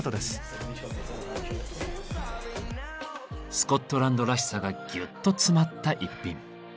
スコットランドらしさがぎゅっと詰まった一品。